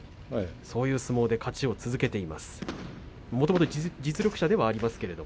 そういう相撲で勝ちを続けてきましたね。